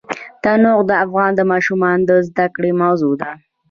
تنوع د افغان ماشومانو د زده کړې موضوع ده.